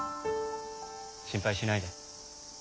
心配しないで。